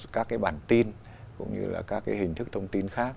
các cái bản tin cũng như là các cái hình thức thông tin khác